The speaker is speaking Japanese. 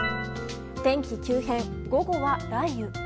天気急変、午後は雷雨。